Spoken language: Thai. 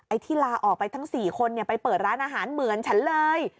ที่ลาออกไปทั้ง๔คนไปเปิดร้านอาหารเหมือนฉันเลย